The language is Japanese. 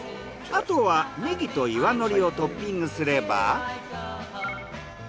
あとはネギと岩のりをトッピングすれば。